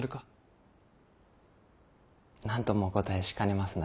なんともお答えしかねますな。